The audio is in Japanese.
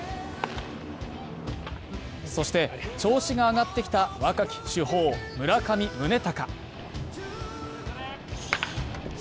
そして調子が上がってきた若き主砲・村上宗隆。